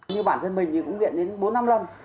như bản thân mình thì cũng diện đến bốn trăm năm mươi năm